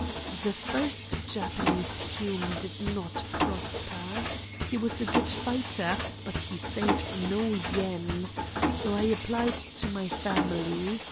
The first Japanese Hume did not prosper. He was a good fighter, but he saved no yen. So I applied to my family.